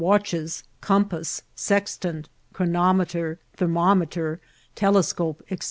89 watcheSi compass, sextant, ohronameter, thennometeri telescope, &c.>